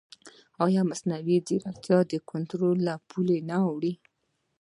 ایا مصنوعي ځیرکتیا د کنټرول له پولې نه اوړي؟